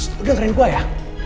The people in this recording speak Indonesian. lu dengerin gua ya